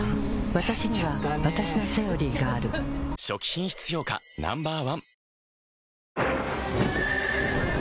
わたしにはわたしの「セオリー」がある初期品質評価Ｎｏ．１